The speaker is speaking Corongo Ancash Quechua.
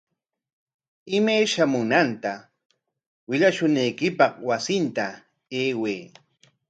Imay shamunanta willashunaykipaq wasinta ayway.